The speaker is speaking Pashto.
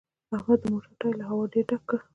احمد د موټر ټایر له هوا ډېر ډک کړ